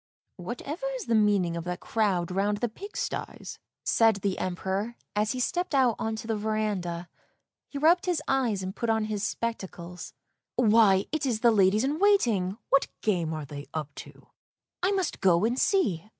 " Whatever is the meaning of that crowd round the pig sties? " said the Emperor as he stepped out on to the verandah; he rubbed his eyes and put on his spectacles. " Why, it is the ladies in waiting, what game are they up to? I must go and see!